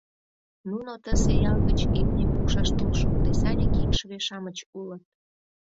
Нуно тысе ял гыч имне пукшаш толшо кресаньык икшыве-шамыч улыт.